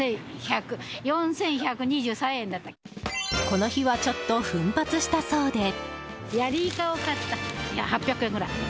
この日はちょっと奮発したそうで。